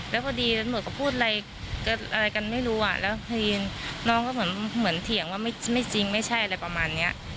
แล้วพอดีตำรวจก็พูดอะไรกันไม่รู้อ่ะแล้วคือน้องก็เหมือนเถียงว่าไม่จริงไม่ใช่อะไรประมาณเนี้ย